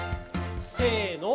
せの。